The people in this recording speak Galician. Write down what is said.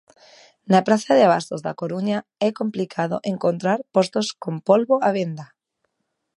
Na praza de abastos da Coruña é complicado encontrar postos con polbo á venda.